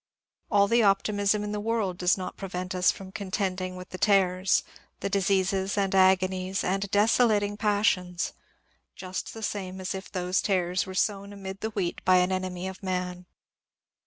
All the optimism in the world does not prevent us from contending with the tares, — the diseases and agonies and desolating passions, — just the same as if those tares were sown amid the wheat by an enemy of man.